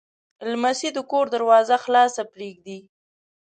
لمسی د کور دروازه خلاصه پرېږدي.